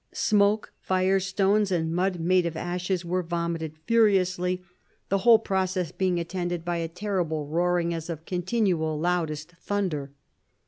Smoke, fire, stones, and mud made of ashes, were vomited furiously, the whole process being attended by a terrible roaring, as of continual loudest thunder.